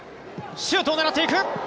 シュートを狙っていく！